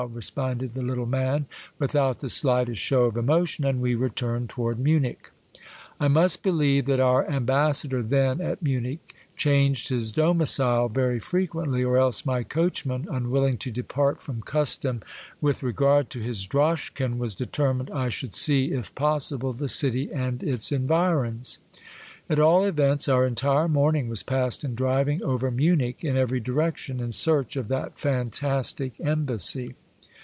responded the little man, without the slightest show of emotion, and we re turned toward Munich. I must beheve that our ambassador then at Munich changed his domicile very frequently, or else my coachman, unwilling to depart from custom with regard to his droschken, was determined I should see, if possible, the city and its environs. At all events, our entire morning was passed in driving over Munich in every direction, in search of that fantastic Embassy.